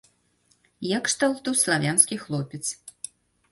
Я кшталту славянскі хлопец.